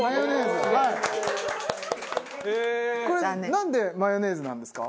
これなんでマヨネーズなんですか？